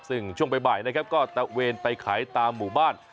ซึ่งช่วงบ่ายนะครับก็ตะเวนไปขายตามหมู่บ้าน